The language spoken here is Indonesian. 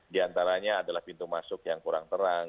di antaranya adalah pintu masuk yang kurang terang